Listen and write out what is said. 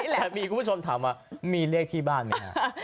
แต่มีคุณผู้ชมถามว่ามีเลขที่บ้านไหมฮะ